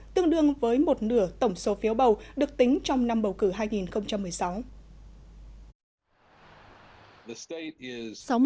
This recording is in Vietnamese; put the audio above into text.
tương đương với một nửa tổng số phiếu bầu được tính trong năm bầu cử hai nghìn một mươi sáu